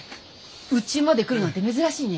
うちまで来るなんて珍しいね。